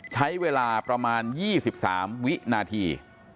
ใช้เวลาประมาณ๒๓วินาที